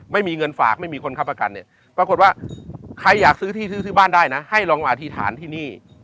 ไม่มีเงินฝากไม่มีคนค้ำประกันเนี่ยปรากฏว่าใครอยากซื้อที่ซื้อซื้อบ้านได้นะให้ลองมาอธิษฐานที่นี่